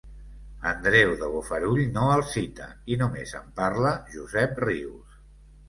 Andreu de Bofarull no el cita, i només en parla Josep Rius.